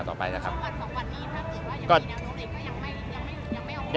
วันสองวันนี้ครับหรือว่ายังมีแนวโน้นเล็กก็ยังไม่ออกมา